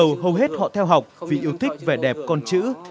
lúc đầu hầu hết họ theo học vì yêu thích vẻ đẹp con chữ